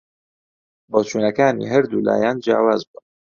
بۆچوونەکانی هەردوو لایان جیاواز بوون